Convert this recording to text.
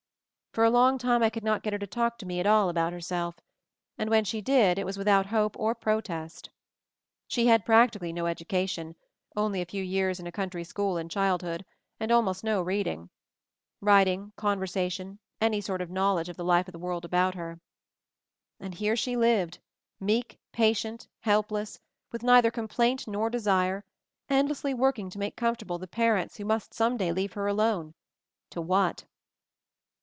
For a long time I could not get her to talk to me at all about herself, and when she did it was without hope or protest. She had practically no education — only a few years in a country school in childhood, and almost no reading, writing, conversation, any sort of knowledge of the life of the world about her. And here she lived, meek, patient, help less, with neither complaint nor desire, end lessly working to make comfortable the pa rents who must some day leave her alone — to what